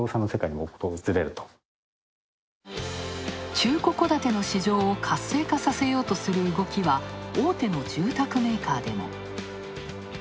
中古戸建ての市場を活性化させようという動きは大手の住宅メーカーでも。